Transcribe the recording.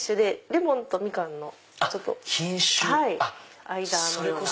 レモンとミカンの間のような。